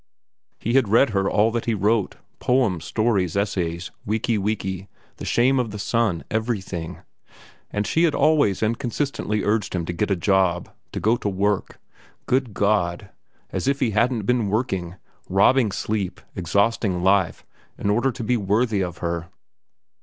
He had read her all that he wrote—poems, stories, essays—"Wiki Wiki," "The Shame of the Sun," everything. And she had always and consistently urged him to get a job, to go to work—good God!—as if he hadn't been working, robbing sleep, exhausting life, in order to be worthy of her.